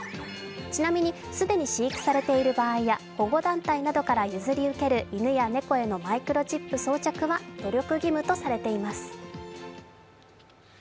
ちなみに既に飼育されている場合や保護団体などから譲り受ける犬や猫へのマイクロチップ装着は努力義務とされています。